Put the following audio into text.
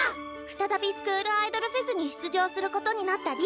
再びスクールアイドルフェスに出場することになった「Ｌｉｅｌｌａ！」。